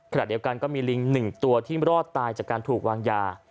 ขณะเดียวกันก็มีลิง๑ตัวที่รอดตายจากการถูกวางยา